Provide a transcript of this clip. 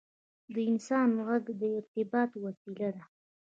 • د انسان ږغ د ارتباط وسیله ده.